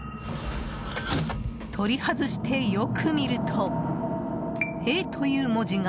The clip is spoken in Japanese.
取り外してよく見るとＡという文字が。